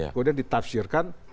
itu sudah ditafsirkan